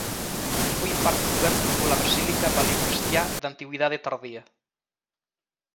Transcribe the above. Foi en parte cuberto pola basílica paleocristiá na Antigüidade tardía.